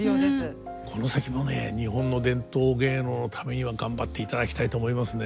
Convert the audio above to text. この先もね日本の伝統芸能のためには頑張っていただきたいと思いますね。